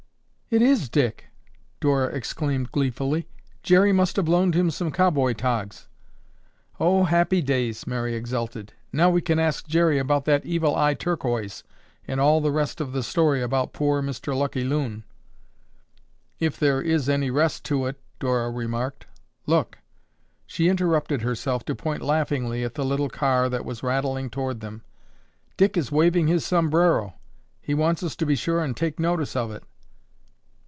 "It is Dick!" Dora exclaimed gleefully. "Jerry must have loaned him some cowboy togs." "Oh, Happy Days!" Mary exulted. "Now we can ask Jerry about that Evil Eye Turquoise and all the rest of the story about poor Mr. Lucky Loon." "If there is any rest to it," Dora remarked. "Look!" she interrupted herself to point laughingly at the little car that was rattling toward them. "Dick is waving his sombrero. He wants us to be sure and take notice of it!"